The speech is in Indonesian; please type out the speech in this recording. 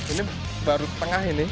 ini baru tengah ini